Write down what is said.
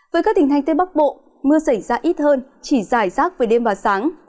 với các tỉnh thành tây bắc bộ mưa xảy ra ít hơn chỉ giải sát về đêm và sáng